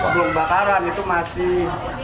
belum bakaran itu masih